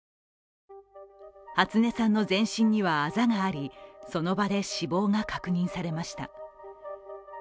初音さんの全身にはあざがありその場で死亡が確認されました。